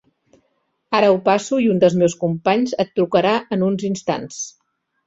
Ara ho passo i un dels meus companys et trucarà en uns instants.